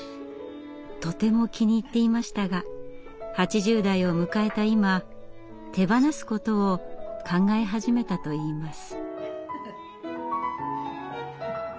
とても気に入っていましたが８０代を迎えた今手放すことを考え始めたといいます。